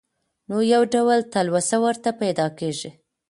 نو يو ډول تلوسه ورته پېدا کيږي.